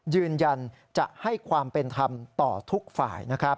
ยืนยันจะให้ความเป็นธรรมต่อทุกฝ่ายนะครับ